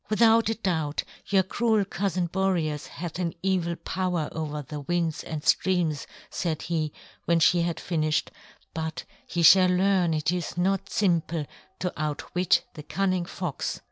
"Without a doubt, your cruel cousin Boreas hath an evil power over the winds and streams," said he, when she had finished, "but he shall learn it is not simple to outwit the cunning fox.